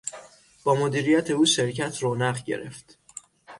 با مدیریت او شرکت رونق گرفت.